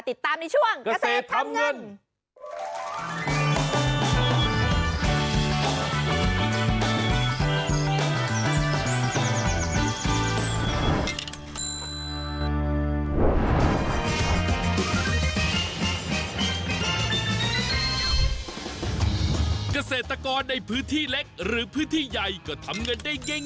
ติดตามในช่วงเกษตรทำเงิน